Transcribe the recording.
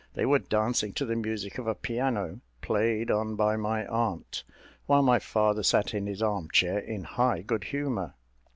They were dancing to the music of a piano, played on by my aunt, while my father sat in his arm chair, in high good humour.